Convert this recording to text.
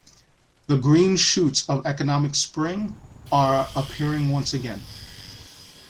The Green shoots of economic spring are appearing once again.